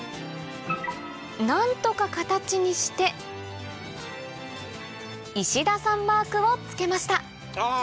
何とか形にして石田さんマークを付けましたあ！